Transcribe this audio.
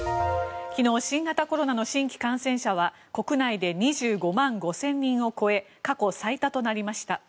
昨日、新型コロナの新規感染者は国内で２５万５０００人を超え過去最多となりました。